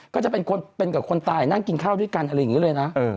ก็จะเป็นคนเป็นกับคนตายนั่งกินข้าวด้วยกันอะไรอย่างนี้เลยนะ